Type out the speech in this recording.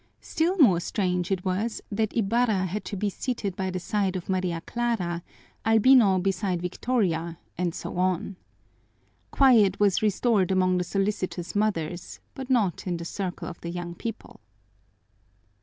Still more strange it was that Ibarra had to be seated by the side of Maria Clara, Albino beside Victoria, and so on. Quiet was restored among the solicitous mothers but not in the circle of the young people.